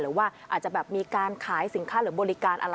หรือว่าอาจจะแบบมีการขายสินค้าหรือบริการอะไร